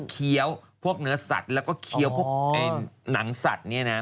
เคี้ยวพวกเนื้อสัตว์แล้วก็เคี้ยวพวกหนังสัตว์เนี่ยนะ